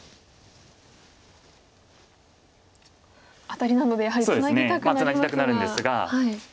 アタリなのでやはりツナぎたくなりますが。